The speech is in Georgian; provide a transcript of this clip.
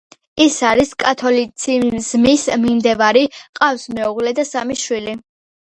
ის არის კათოლიციზმის მიმდევარი, ჰყავს მეუღლე და სამი შვილი.